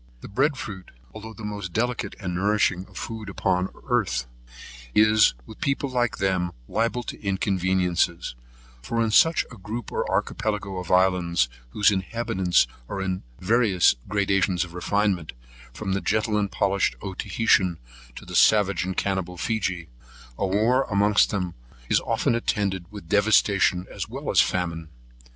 The Bread fruit, although the most delicate and nourishing food upon earth, is, with people like them, liable to inconveniencies; for in such a group or Archipelago of islands, whose inhabitants are in such various gradations of refinement, from the gentle and polished Otaheitean, to the savage and cannibal Feegee, a war amongst them is often attended with devastation as well as famine.